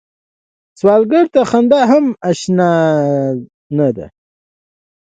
سوالګر ته خندا هم اشنا نه ده